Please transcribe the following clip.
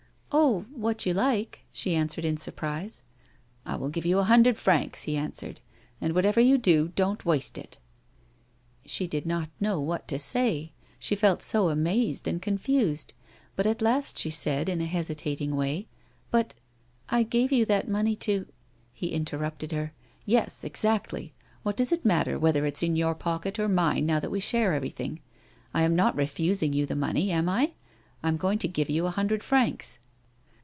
" Oh — what you like," she answered in surprise. " I will give you a hundred francs," he answered ;" and whatever you do, don't waste it." She did not know what to say, she felt so amazed and con fused, but at last she said in a hesitating way :" But — I gave you that money to —" He interrupted her. " Yes, exactly. What does it matter whether it's in your pocket or mine now that we share everything 1 I am not re fusing you the money, am 11 I am going to give you a hundred francs."